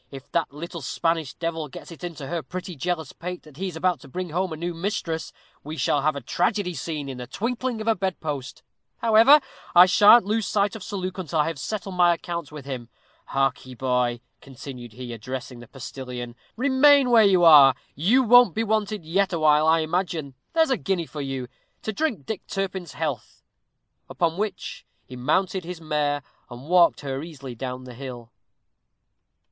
If that little Spanish devil gets it into her pretty jealous pate that he is about to bring home a new mistress, we shall have a tragedy scene in the twinkling of a bed post. However, I shan't lose sight of Sir Luke until I have settled my accounts with him. Hark ye, boy," continued he, addressing the postilion; "remain where you are; you won't be wanted yet awhile, I imagine. There's a guinea for you, to drink Dick Turpin's health." Upon which he mounted his mare, and walked her easily down the hill.